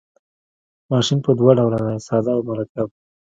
ماشین په دوه ډوله دی ساده او مرکب.